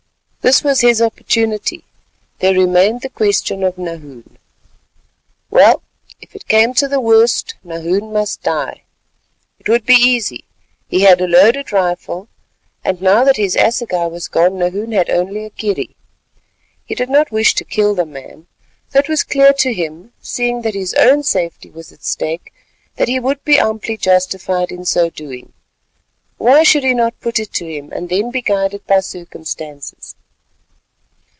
This was his opportunity—there remained the question of Nahoon. Well, if it came to the worst, Nahoon must die: it would be easy—he had a loaded rifle, and now that his assegai was gone, Nahoon had only a kerry. He did not wish to kill the man, though it was clear to him, seeing that his own safety was at stake, that he would be amply justified in so doing. Why should he not put it to him—and then be guided by circumstances?